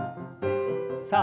さあ